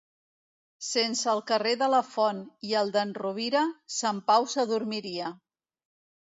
Sense el carrer de la Font i el d'en Rovira, Sant Pau s'adormiria.